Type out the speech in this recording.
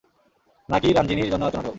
না কি রাঞ্জিনীর জন্য এত নাটক?